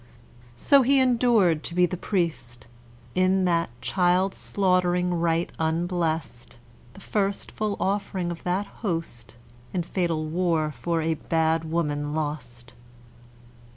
So he endured to be the priest In that child slaughtering rite unblest, The first full offering of that host In fatal war for a bad woman lost.